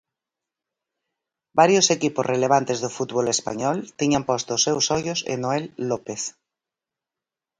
Varios equipos relevantes do fútbol español tiñan posto os seus ollos en Noel López.